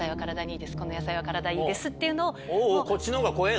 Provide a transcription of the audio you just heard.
この野菜は体にいいですっていうのを。